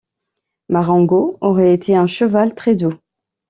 Marengo aurait été un cheval très doux.